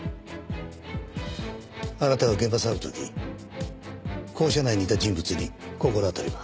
あなたが現場去る時校舎内にいた人物に心当たりは？